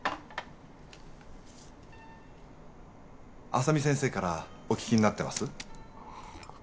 浅見先生からお聞きになってます？